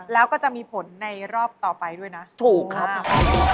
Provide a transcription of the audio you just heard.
แล้วก็จะมีผลในรอบต่อไปด้วยนะถูกครับ